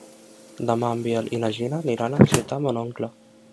Demà en Biel i na Gina aniran a visitar mon oncle.